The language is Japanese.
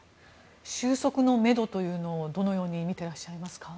収束のめどというのをどのようにみてらっしゃいますか？